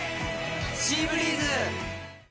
「シーブリーズ」！